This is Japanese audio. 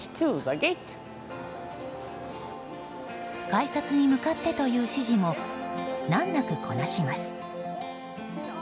改札に向かってという指示も難なくこなします。